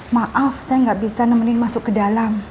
maaf saya nggak bisa nemenin masuk ke dalam